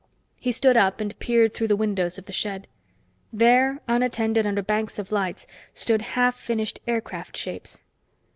He stood up and peered through the windows of the shed. There, unattended under banks of lights, stood half finished aircraft shapes.